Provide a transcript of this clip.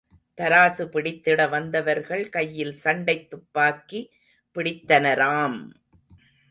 தராசு பிடித்திட வந்தவர்கள் கையில் சண்டைத் துப்பாக்கி பிடித்தனராம்!